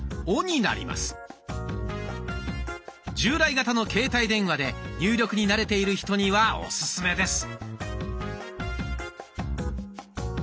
従来型の携帯電話で入力に慣れている人にはオススメです。